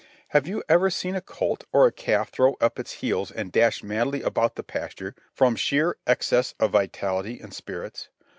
Have you ever seen a colt or a calf throw up its heels and dash madly about the pasture from sheer excess of vitality and spirits?